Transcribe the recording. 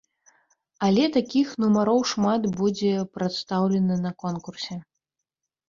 Але такіх нумароў шмат будзе прадстаўлена на конкурсе.